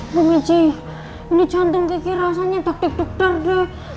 mbak mici ini jantung riki rasanya taktik dokter deh